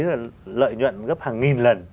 là lợi nhuận gấp hàng nghìn lần